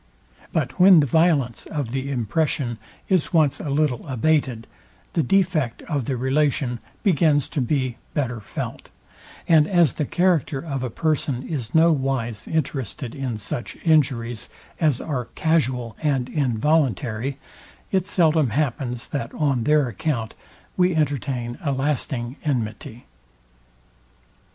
But when the violence of the impression is once a little abated, the defect of the relation begins to be better felt; and as the character of a person is no wise interested in such injuries as are casual and involuntary, it seldom happens that on their account, we entertain a lasting enmity.